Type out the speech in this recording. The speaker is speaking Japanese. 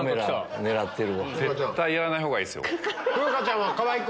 絶対やらない方がいいですよ。